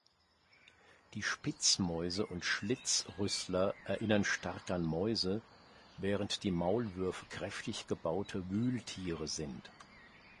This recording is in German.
Die Spitzmäuse und Schlitzrüssler erinnern stark an Mäuse, während die Maulwürfe kräftig gebaute Wühltiere sind.